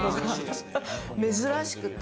珍しくて。